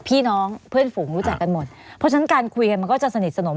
พี่น้องเพื่อนฝูงรู้จักกันหมดเพราะฉะนั้นการคุยกันมันก็จะสนิทสนม